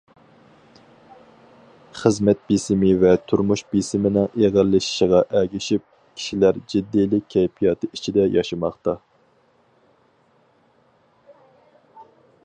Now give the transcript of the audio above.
خىزمەت بېسىمى ۋە تۇرمۇش بېسىمىنىڭ ئېغىرلىشىشىغا ئەگىشىپ، كىشىلەر جىددىيلىك كەيپىياتى ئىچىدە ياشىماقتا.